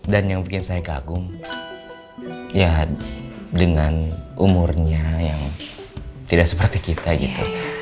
yang bikin saya kagum ya dengan umurnya yang tidak seperti kita gitu